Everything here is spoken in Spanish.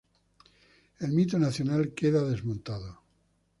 El mito nacional queda desmontado.